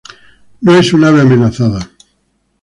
No es un ave amenazada.